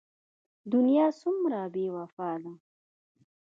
دنيا څومره بې وفا ده.